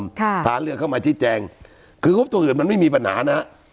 พาเรื่องเข้ามาชี้แจงคืองบตัวอื่นมันไม่มีปัญหานะฮะ